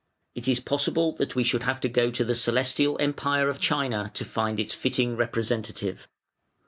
It is possible that we should have to go to the Celestial Empire of China to find its fitting representative.